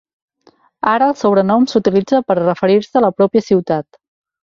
Ara el sobrenom s'utilitza per a referir-se a la pròpia ciutat.